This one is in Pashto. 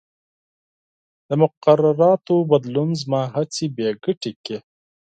د مقرراتو بدلون زما هڅې بې ګټې کړې.